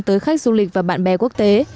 tới khách du lịch và bạn bè quốc tế